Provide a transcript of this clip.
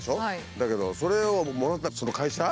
だけどそれをもらったその会社。